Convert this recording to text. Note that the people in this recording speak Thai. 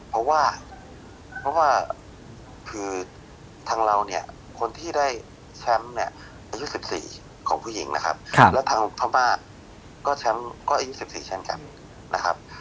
เพราะว่าเพราะว่าคือทางเราเนี่ยคนที่ได้แชมป์เนี่ยอายุ๑๔ของผู้หญิงนะครับแล้วทางพม่าก็แชมป์ก็อายุ๑๔เช่นกันนะครับ